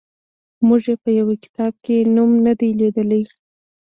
موږ یې په یوه کتاب کې نوم نه دی لیدلی.